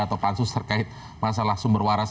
atau pansus terkait masalah sumber waras